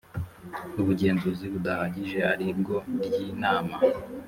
ubugenzuzi budahagije ari bwo ry inama